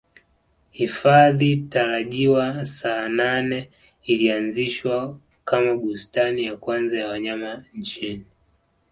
Hifadhi tarajiwa Saanane ilianzishwa kama bustani ya kwanza ya wanyama nchini